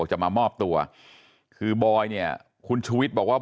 จะมามอบตัวคือบอยเนี่ยคุณชูวิทย์บอกว่า